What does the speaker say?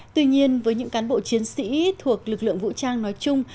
tuy nhiên với những cán bộ chiến sĩ thuộc lực lượng vũ trang nói chung